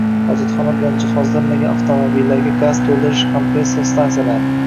xojatxona bilan jihozlanmagan avtomobillarga gaz to‘ldirish kompressor stansiyalari